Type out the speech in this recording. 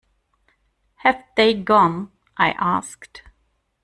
“Have they gone?” I asked.